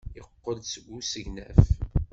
Yeqqel-d seg usegnaf.